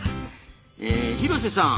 え廣瀬さん。